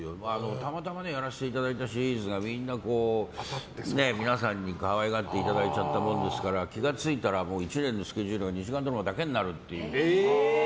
たまたまやらせていただいたシリーズが皆さんに可愛がっていただいちゃったもんですから気が付いたら１年のスケジュールが２時間ドラマだけになるっていう。